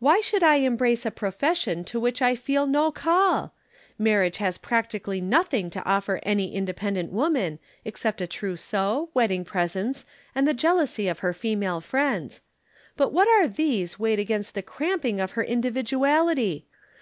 "Why should I embrace a profession to which I feel no call? Marriage has practically nothing to offer any independent woman except a trousseau, wedding presents, and the jealousy of her female friends. But what are these weighed against the cramping of her individuality?